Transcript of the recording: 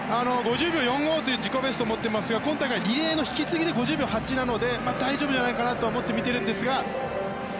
５０秒４５という自己ベストを持ってますが今大会、リレーの引き継ぎで５０秒８なので大丈夫じゃないかと思って見ているんですが。